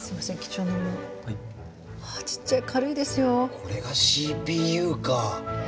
これがＣＰＵか。